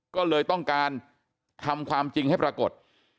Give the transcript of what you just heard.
ก็เลยต้องการทำความจริงให้ปรากฏ